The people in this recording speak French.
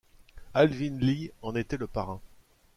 Alvin Lee en était le parrain.